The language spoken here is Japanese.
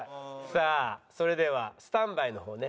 さあそれではスタンバイの方ね。